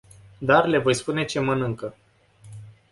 Dar le voi spune ce mănâncă.